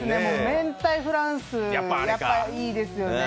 明太フランス、いいですよね。